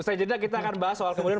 ustaz jeddah kita akan bahas soal kemudian